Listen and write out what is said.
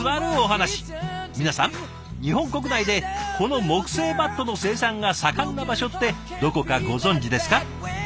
皆さん日本国内でこの木製バットの生産が盛んな場所ってどこかご存じですか？